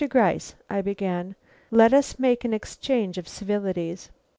Gryce," I began, "let us make an exchange of civilities.